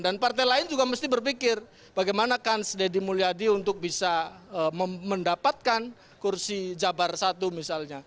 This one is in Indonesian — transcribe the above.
dan partai lain juga mesti berpikir bagaimana kans deddy mulyadi untuk bisa mendapatkan kursi jabar satu misalnya